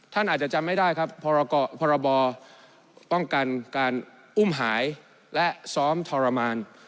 ท่านอาจจะจำไม่ได้ครับพรบป้องกันการอุ้มหายและซ้อมทรมาน